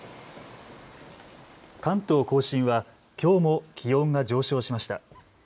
関東甲信はきょうも気温が上昇しました。